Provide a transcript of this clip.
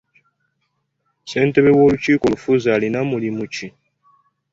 Ssentebe w'olukiiko olufuzi alina mulimu ki?